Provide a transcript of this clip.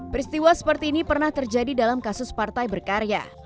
peristiwa seperti ini pernah terjadi dalam kasus partai berkarya